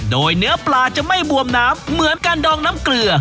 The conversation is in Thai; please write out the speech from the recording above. โดยเนื้อปลาจะไม่บวมน้ำเหมือนการดองน้ำเกลือ